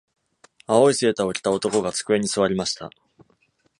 青いセーターを着た男が机に座りました。